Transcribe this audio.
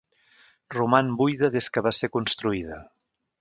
Roman buida des que va ser construïda.